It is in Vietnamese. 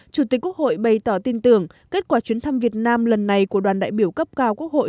chủ tịch quốc hội bày tỏ tin tưởng kết quả chuyến thăm việt nam lần này của đoàn đại biểu cấp cao quốc hội